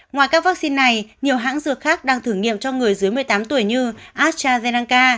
ngoài các vaccine này nhiều hãng dược khác đang thử nghiệm cho người dưới một mươi tám tuổi như astrazeneca